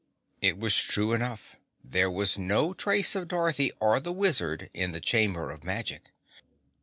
It was true enough. There was no trace of Dorothy or the Wizard in the Chamber of Magic.